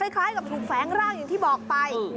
คล้ายกับถูกแฝงร่างอย่างที่บอกไป